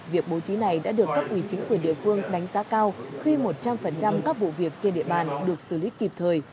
việc bố trí này đã được cấp ủy chính quyền địa phương đánh giá cao khi một trăm linh các vụ việc trên địa bàn được xử lý kịp thời